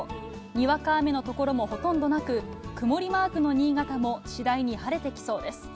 にわか雨の所もほとんどなく、曇りマークの新潟も次第に晴れてきそうです。